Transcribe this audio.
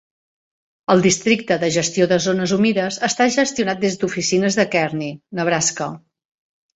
El Districte de Gestió de Zones Humides està gestionat des d'oficines a Kearney, Nebraska.